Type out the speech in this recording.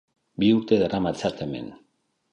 Bi urte daramatzat hemen.